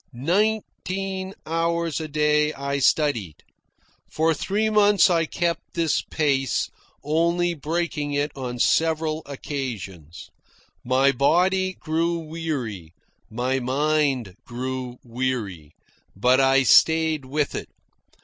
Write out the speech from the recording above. Nineteen hours a day I studied. For three months I kept this pace, only breaking it on several occasions. My body grew weary, my mind grew weary, but I stayed with it.